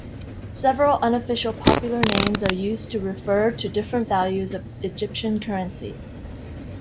Several unofficial popular names are used to refer to different values of Egyptian currency.